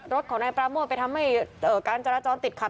รถของนายปราโมทไปทำให้การจราจรติดขัด